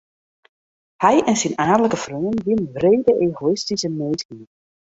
Hy en syn aadlike freonen wiene wrede egoïstyske minsken.